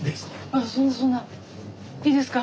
いいですか？